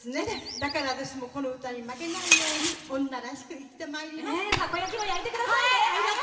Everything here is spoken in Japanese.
だから私もこの歌に負けないように女らしく生きてまいります。